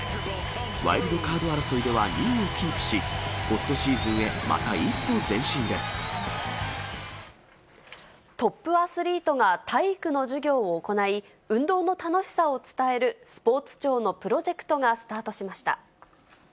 ワイルドカード争いでは２位をキープし、ポストシーズンへまた一トップアスリートが体育の授業を行い、運動の楽しさを伝えるスポーツ庁のプロジェクトがスタートしました。